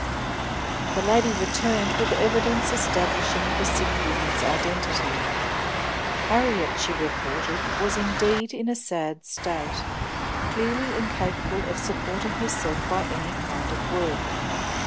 That lady returned with evidence establishing the sick woman's identity. Harriet, she reported, was indeed in a sad state, clearly incapable of supporting herself by any kind of work.